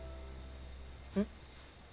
うん？